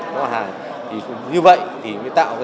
các bản hàng như vậy thì mới tạo ra